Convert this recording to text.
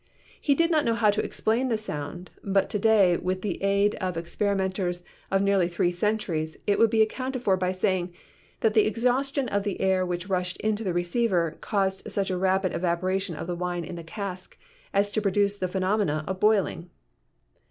He did not know how to explain this sound, but to day, with the aid of the experimenters of nearly three centuries, it would be accounted for by saying that the exhaustion of the air which rushed into the receiver caused such a rapid evaporation of wine in the cask as to produce the phenomenon of boiling.